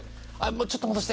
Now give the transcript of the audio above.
ちょっと戻して。